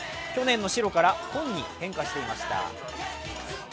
去年の白から紺に変化していました。